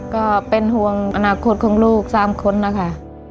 ก็เป็นห่วงอนาคตของลูก๓คนนะคะ